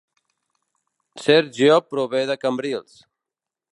Sergio prové de Cambrils